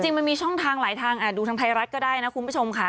มันมีช่องทางหลายทางดูทางไทยรัฐก็ได้นะคุณผู้ชมค่ะ